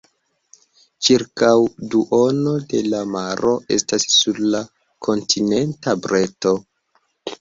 Ĉirkaŭ duono de la maro estas sur la kontinenta breto.